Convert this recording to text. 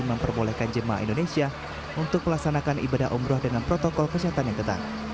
memperbolehkan jemaah indonesia untuk melaksanakan ibadah umroh dengan protokol kesehatan yang ketat